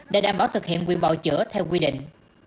để đảm bảo thực hiện quyền bầu chữa theo quy định